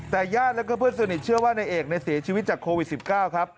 แต่ญาติแล้วก็เพื่อนสนิทเชื่อว่านายเอกในเสียชีวิตจากโควิด๑๙ครับ